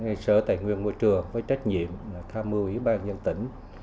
hoàn tất sở tài nguyên môi trường với trách nhiệm tham mưu ủy ban nhân tỉnh